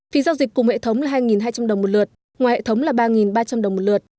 phí giao dịch cùng hệ thống là hai hai trăm linh đồng một lượt ngoài hệ thống là ba ba trăm linh đồng một lượt